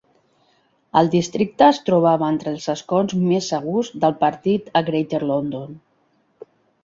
El districte es trobava entre els escons més segurs del partit a Greater London.